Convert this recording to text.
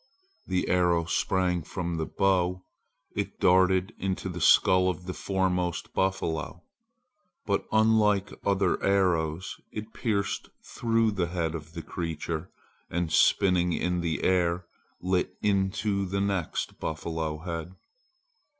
The arrow sprang from the bow! It darted into the skull of the foremost buffalo. But unlike other arrows it pierced through the head of the creature and spinning in the air lit into the next buffalo head.